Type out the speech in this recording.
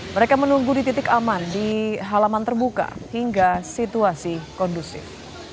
mereka menunggu di titik aman di halaman terbuka hingga situasi kondusif